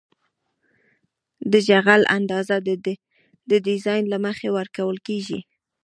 د جغل اندازه د ډیزاین له مخې ورکول کیږي